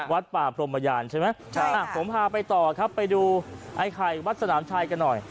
วัดป่าพรมยานใช่ไหมผมพาไปต่อครับไปดูไอ้ไข่วัดสนามชัยกันหน่อย